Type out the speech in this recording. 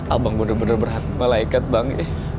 abang benar benar berhak malaikat bang